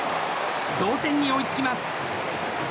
同点に追いつきます。